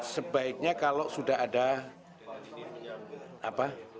sebaiknya kalau sudah ada apa